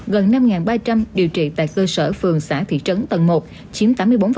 gần năm ba trăm linh điều trị tại cơ sở phường xã thị trấn tầng một chiếm tám mươi bốn